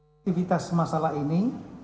aktivitas masalah ini